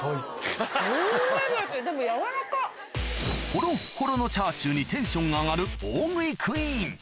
ホロッホロのチャーシューにテンションが上がる大食いクイーン